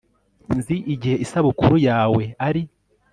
Nzi igihe isabukuru yawe ari